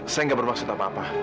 saya gak bermaksud apa apa